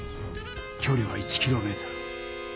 きょりは１キロメートル。